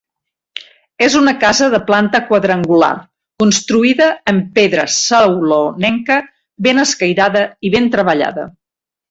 És una casa de planta quadrangular construïda en pedra saulonenca ben escairada i ben treballada.